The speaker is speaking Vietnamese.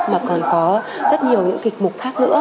mà còn có rất nhiều những kịch mục khác nữa